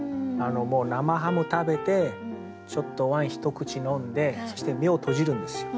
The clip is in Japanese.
生ハム食べてちょっとワイン一口飲んでそして目を閉じるんですよ。